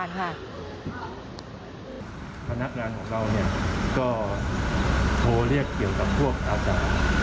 พนักงานของเราก็โทรเรียกเกี่ยวกับพวกอาจารย์